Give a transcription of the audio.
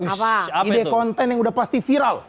apa ide konten yang udah pasti viral